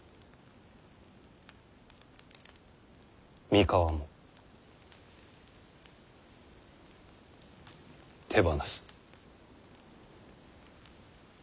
三河も手放す。